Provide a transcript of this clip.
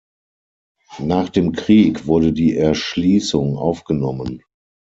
Nach dem Krieg wurde die Erschließung aufgenommen.